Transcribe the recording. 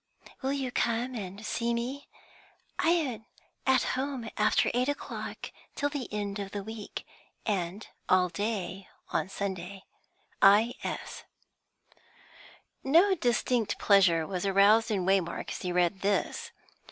"Will you come and see me? I am at home after eight o'clock till the end of the week, and all day on Sunday. I. S." No distinct pleasure was aroused in Waymark as he read this.